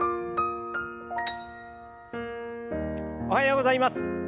おはようございます。